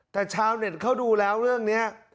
แต่ชาวเน็ตเขาดูแล้วเรื่องนี้